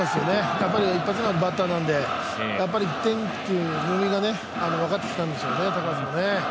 やっぱり一発目のバッターなので一点一球、人間が分かってきたんでしょうね、高橋も。